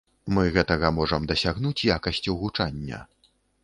Мы гэтага можам дасягнуць якасцю гучання.